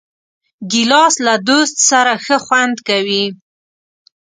ګیلاس له دوست سره ښه خوند کوي.